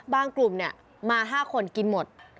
บ้างกลุ่มเนี่ยมา๕คนกินหมด